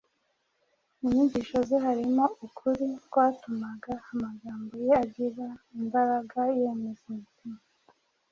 Mu nyigisho ze harimo ukuri kwatumaga amagambo ye agira imbaraga yemeza imitima.